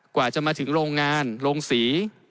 กว่าจะมาถึงโรงงานโรงศรี